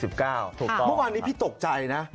เมื่อวานนี้พี่ตกใจนะ